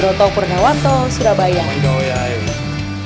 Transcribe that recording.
jelang menghadapi sriwijaya fc pekan depan